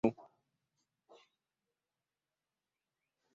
Twabadde ku nsonga nkulu naye abamu ku bannaffe ne babiteekamu omuzannyo